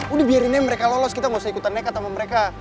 udah biarinnya mereka lolos kita gak usah ikutan nekat sama mereka